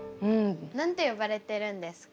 何て呼ばれてるんですか？